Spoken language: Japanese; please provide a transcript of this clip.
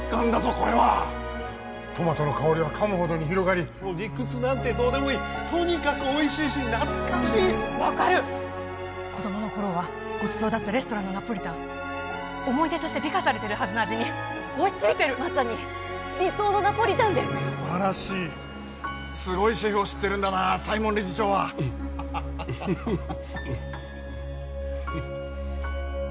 これは・トマトの香りは噛むほどに広がり理屈なんてどうでもいいとにかくおいしいし懐かしい分かる子どもの頃はごちそうだったレストランのナポリタン思い出として美化されてるはずの味に追いついてるまさに理想のナポリタンです素晴らしいすごいシェフを知ってるんだな西門理事長はウフフフ